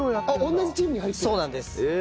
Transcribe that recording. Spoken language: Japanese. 同じチームに入ってるんですか？